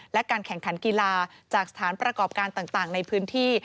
และการแข่งขันกีฬาจากสถานประกอบการต่างในพื้นที่